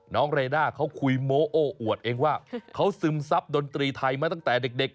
เรด้าเขาคุยโม้โอ้อวดเองว่าเขาซึมซับดนตรีไทยมาตั้งแต่เด็ก